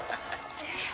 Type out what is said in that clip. よいしょ